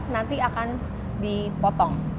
nanti akan dipotong